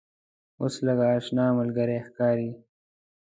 اوس لکه آشنا ملګری ښکاري.